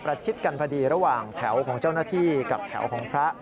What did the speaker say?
ชิดกันพอดีระหว่างแถวของเจ้าหน้าที่กับแถวของพระ